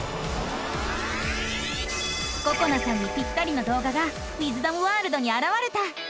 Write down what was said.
ここなさんにピッタリのどう画がウィズダムワールドにあらわれた！